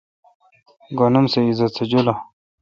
گن اُم سہ عزت سہ جولہ۔